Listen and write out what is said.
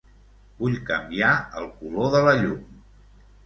Vull canviar el color de la llum.